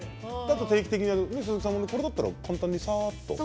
鈴木さんもこれだったら簡単にさっと。